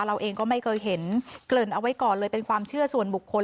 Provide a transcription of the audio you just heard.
เราเองก็ไม่เคยเห็นเกริ่นเอาไว้ก่อนเลยเป็นความเชื่อส่วนบุคคล